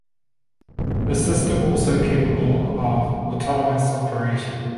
The system also capable of autonomous operation.